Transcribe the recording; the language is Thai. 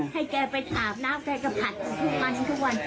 ให้แกไปอาบน้ำแกก็ผัดอยู่ทุกวันทุกวัน